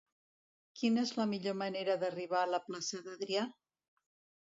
Quina és la millor manera d'arribar a la plaça d'Adrià?